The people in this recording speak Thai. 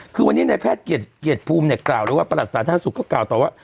คือวันนี้ในแพทย์เกียรติภูมิเนี่ยกล่าวเลยว่าประหลัดสาธารณสุขก็กล่าวต่อว่า